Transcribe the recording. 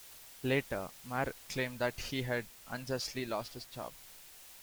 Later, Marr claimed that he had unjustly lost his job.